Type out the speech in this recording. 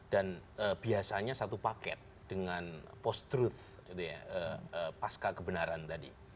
dan biasanya satu paket dengan post truth pasca kebenaran tadi